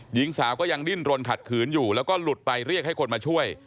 หญิงสาวก็ยังดิ้นรนขัดขืนอยู่แล้วก็หลุดไปเรียกให้คนมาช่วย